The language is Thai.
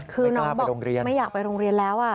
คือน้องบอกไม่อยากไปโรงเรียนแล้ว